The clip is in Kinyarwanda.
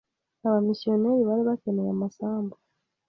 Aba missionnaires bari bakeneye amasambu